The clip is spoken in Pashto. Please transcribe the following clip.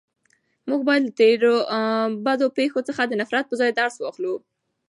موږ باید له تېرو بدو پېښو څخه د نفرت په ځای درس واخلو.